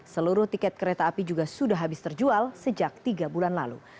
seluruh tiket kereta api juga sudah habis terjual sejak tiga bulan lalu